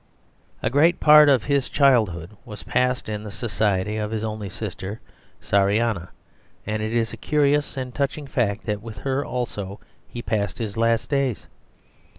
A great part of his childhood was passed in the society of his only sister Sariana; and it is a curious and touching fact that with her also he passed his last days.